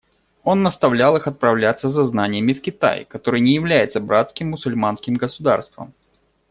Он наставлял их отправляться за знаниями в Китай, который не является братским мусульманским государством.